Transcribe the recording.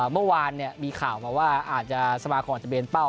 เมื่อวานเนี่ยมีข่าวว่าอาจจะสมาคมอาจจะเป็นเป้า